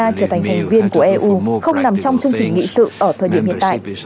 ukraine trở thành thành viên của eu không nằm trong chương trình nghị tự ở thời điểm hiện tại